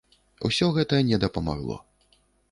Усё гэта не дапамагло.